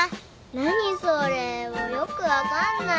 何それよく分かんない。